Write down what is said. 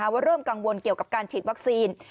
ว่าเริ่มกังวลเกี่ยวกับการฉีดวัคซีน